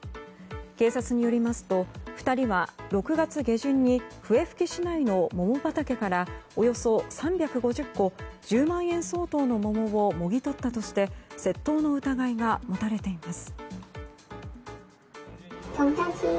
警察によりますと２人は６月下旬に笛吹市内の桃畑からおよそ３５０個１０万円相当の桃をもぎ取ったとして窃盗の疑いが持たれています。